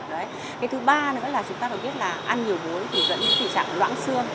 đấy cái thứ ba nữa là chúng ta được biết là ăn nhiều muối thì dẫn đến tình trạng loãng xương